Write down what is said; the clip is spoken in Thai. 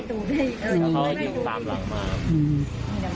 แล้วเขายิงตามหลังมา